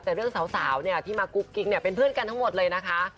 แต่เรื่องสาวเนี่ยที่มากุ๊กกิ๊กเนี่ยเป็นเพื่อนกันทั้งหมดเลยนะคะ